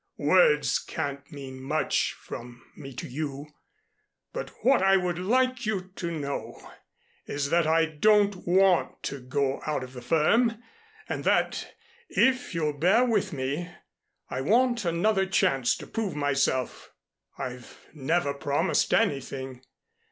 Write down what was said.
Words can't mean much from me to you; but what I would like you to know is that I don't want to go out of the firm, and that, if you'll bear with me, I want another chance to prove myself. I've never promised anything.